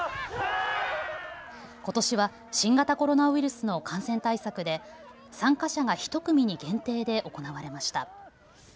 ことしは新型コロナウイルスの感染対策で参加者が１組に限定で行われました。